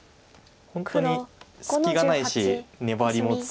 本当に隙がないし粘りも強いし。